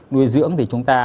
nuôi dưỡng thì chúng ta